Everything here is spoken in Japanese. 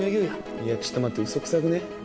いやちょっと待てウソくさくね？